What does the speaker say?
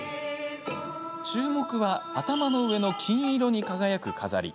注目は、頭の上の金色に輝く飾り。